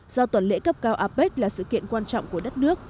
do tuần lễ cấp cao apec là sự kiện quan trọng của đất nước